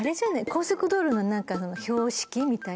高速道路の標識みたいな。